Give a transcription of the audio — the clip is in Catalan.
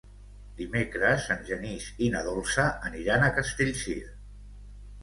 Dimecres en Genís i na Dolça aniran a Castellcir.